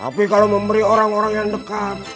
tapi kalau memberi orang orang yang dekat